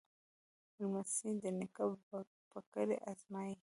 لمسی د نیکه پګړۍ ازمایي.